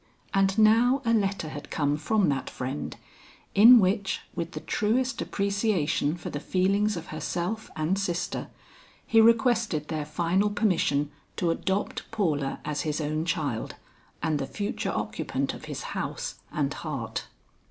And now a letter had come from that friend, in which with the truest appreciation for the feelings of herself and sister, he requested their final permission to adopt Paula as his own child and the future occupant of his house and heart.